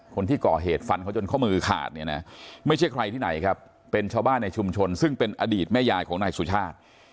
คนที่ก่อเหตุฟันเขาจนข้อมือขาดเนี่ยนะไม่ใช่ใครที่ไหนครับเป็นชาวบ้านในชุมชนซึ่งเป็นอดีตแม่ยายของนายสุชาติ